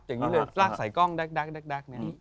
อย่างนี้เลยลากใส่กล้องดักเนี่ย